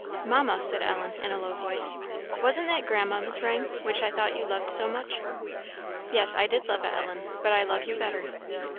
"Mamma," said Ellen, in a low voice, "wasn't that grandmamma's ring, which I thought you loved so much?" "Yes, I did love it, Ellen, but I love you better."